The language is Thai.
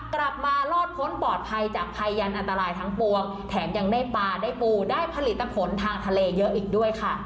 กลับมารอดพ้นปลอดภัยจากภัยยันอันตรายทั้งปวงแถมยังได้ปลาได้ปูได้ผลิตผลทางทะเลเยอะอีกด้วยค่ะ